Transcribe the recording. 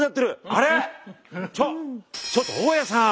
あれっ⁉ちょっちょっと大家さん！